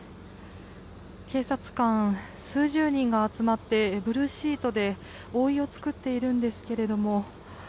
警察官、数十人が集まってブルーシートで覆いを作っているんですけれども。